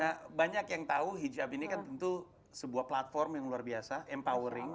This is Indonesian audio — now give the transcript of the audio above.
nah banyak yang tahu hitch up ini kan tentu sebuah platform yang luar biasa empowering